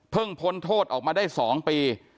เพิ่งพ้นโทษออกมาได้๒ปี